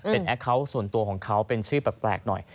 เป็นแอคเคาน์ส่วนตัวของเขาเป็นชื่อแปลกหน่อย